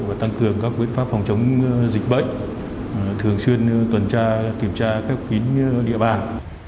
và tăng cường các biện pháp phòng chống dịch bệnh thường xuyên tuần tra kiểm tra khép kín địa bàn